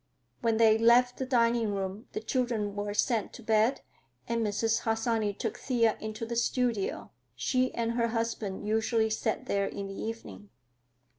When they left the diningroom the children were sent to bed and Mrs. Harsanyi took Thea into the studio. She and her husband usually sat there in the evening.